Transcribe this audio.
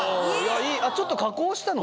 ちょっと加工したの？